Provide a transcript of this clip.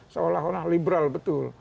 seolah olah liberal betul